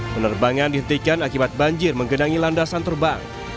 penerbangan dihentikan akibat banjir menggenangi landasan terbang